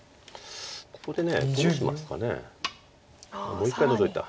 もう一回ノゾいた。